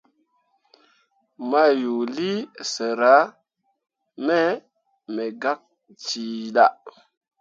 Mayuulii sera me me gak cillah.